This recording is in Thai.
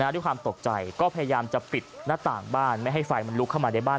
ด้วยความตกใจก็พยายามจะปิดหน้าต่างบ้านไม่ให้ไฟมันลุกเข้ามาในบ้าน